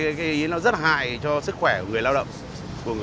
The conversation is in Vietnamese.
nó như ngày trước nên là cái ý nó rất hại cho sức khỏe của người lao động